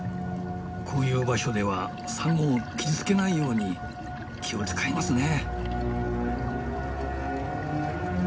こういう場所ではサンゴを傷つけないように気を遣いますね。